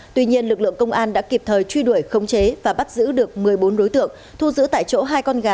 tuy nhiên lực lượng công an đã kịp thời truy đuổi khống chế và bắt giữ được một mươi bốn đối tượng thu giữ tại chỗ hai con gà